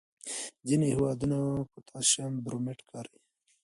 ځینې هېوادونه پوټاشیم برومیټ کاروي.